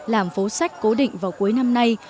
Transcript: làm phố sách cố định vào cuối năm nay